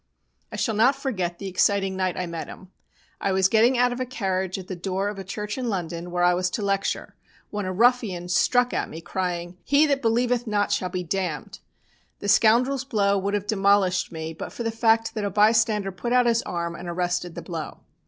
I shall not forget the exciting night I met him. I was getting out of a carriage at the door of a church in London where I was to lecture when a ruffian struck at me, crying, "He that believeth not shall be damned." The scoundrel's blow would have demolished me but for the fact that a bystander put out his arm and arrested the blow.